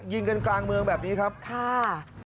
ยิงกันกลางเมืองแบบนี้ครับค่ะ